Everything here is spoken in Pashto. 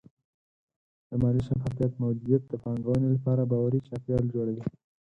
د مالي شفافیت موجودیت د پانګونې لپاره باوري چاپېریال جوړوي.